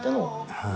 はい。